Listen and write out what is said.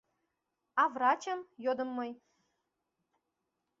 — А врачым? — йодым мый.